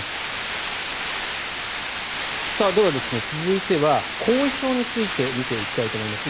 続いては、後遺症について見ていきたいと思います。